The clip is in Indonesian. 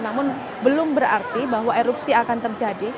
namun belum berarti bahwa erupsi akan terjadi